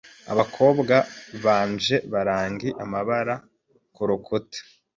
Abakobwa banje barangi amabara kurukuta .